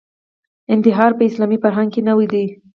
انتحار په اسلامي فرهنګ کې نوې ده